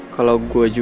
kalau gue juga tahu